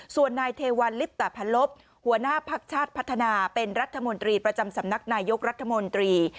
ส่วนนายเทวันลิปตะพันลบหัวหน้าพักชาติพัฒนาเป็นรัฐมนตรีประจำสำนักนายยกรัฐมนตรี